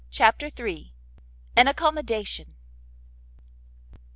CHAPTER iii. AN ACCOMMODATION.